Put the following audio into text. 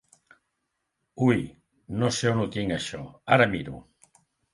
Ui no sé on ho tinc això ara miro.